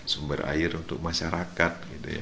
sumber air untuk masyarakat